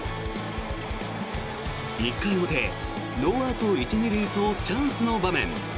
１回表、ノーアウト１・２塁とチャンスの場面。